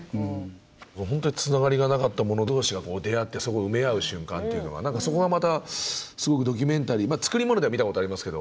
本当につながりがなかった者同士が出会ってそこを埋め合う瞬間っていうのは何かそこがまたすごくドキュメンタリー作り物では見たことありますけど。